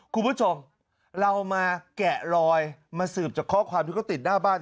คุณผู้ชมเรามาแกะลอยมาสืบจากข้อความที่เขาติดหน้าบ้าน